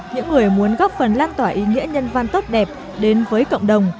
những người muốn góp phần lan tỏa ý nghĩa nhân văn tốt đẹp đến với cộng đồng